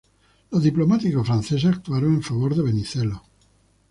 Los diplomáticos franceses actuaron en favor de Venizelos.